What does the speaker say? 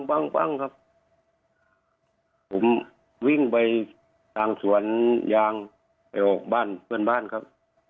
ผมวิ่งไปทางสวนยางไปออกบ้านเพื่อนบ้านครับ